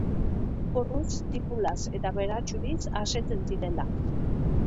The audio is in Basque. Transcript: Porruz, tipulaz eta baratxuriz asetzen zirela.